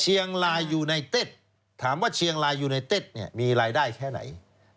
เชียงรายยูไนเต็ดถามว่าเชียงรายยูไนเต็ดเนี่ยมีรายได้แค่ไหน